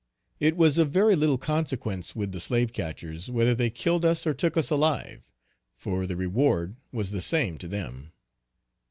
It was of very little consequence with the slave catchers, whether they killed us or took us alive, for the reward was the same to them.